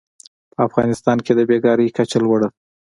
په افغانستان کې د بېکارۍ کچه لوړه ده.